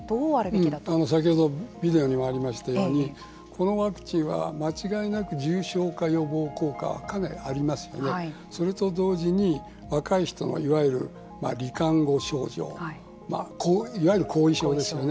先ほどビデオにもありましたようにこのワクチンは間違いなく重症化予防効果かなりありますのでそれと同時に若い人のいわゆる、り患後症状いわゆる後遺症ですよね。